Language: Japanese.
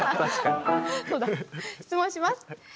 質問します。